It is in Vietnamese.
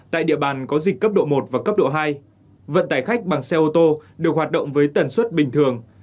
tại địa bàn có dịch cấp độ một và cấp độ hai vận tải khách bằng xe ô tô được hoạt động với tần suất bình thường